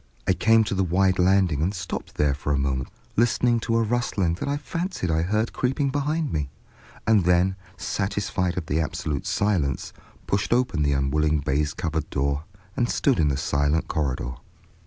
I came to the wide landing and stopped there for a moment listening to a rustling that I fancied I heard creeping behind me, and then, satisfied of the absolute silence, pushed open the unwilling baize covered door and stood in the silent corridor.